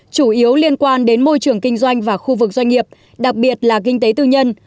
chủ yếu liên quan đến môi trường kinh doanh và khu vực doanh nghiệp đặc biệt là kinh tế tư nhân